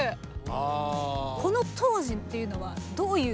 この当時っていうのはどういう？